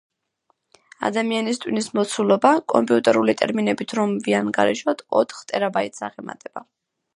ადამიანის ტვინის მოცულობა, კომპიუტერული ტერმინებით რომ ვიანგარიშოთ, ოთხ ტერაბაიტს აღემატება.